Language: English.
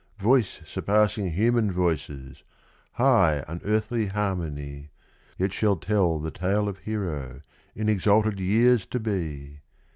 Voice surpassing human voices high, unearthly harmony Yet shall tell the tale of hero, in exalted years to be!